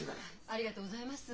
ありがとうございます。